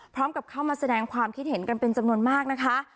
พร้อมกับเข้ามาแสดงความคิดเห็นกันเป็นจำนวนมากนะคะ